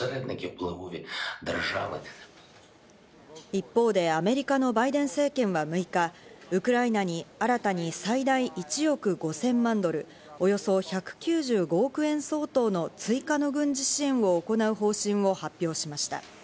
一方でアメリカのバイデン政権は６日、ウクライナに新たに最大１億５０００万ドル、およそ１９５億円相当の追加の軍事支援を行う方針を発表しました。